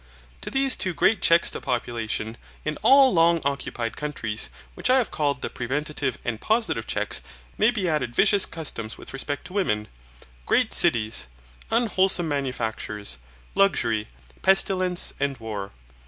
To these two great checks to population, in all long occupied countries, which I have called the preventive and the positive checks, may be added vicious customs with respect to women, great cities, unwholesome manufactures, luxury, pestilence, and war.